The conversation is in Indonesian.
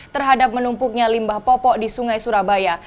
terhadap menumpuknya limbah popok di sungai surabaya